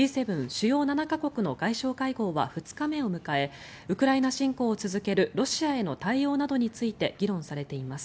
主要７か国の外相会合は２日目を迎えウクライナ侵攻を続けるロシアへの対応などについて議論されています。